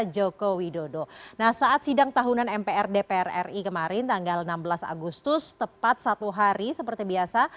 joko widodo nah saat sidang tahunan mpr dpr ri kemarin tanggal enam belas agustus tepat satu hari seperti biasa